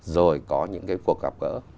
rồi có những cái cuộc gặp gỡ